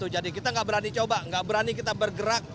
jadi kita nggak berani coba nggak berani kita bergerak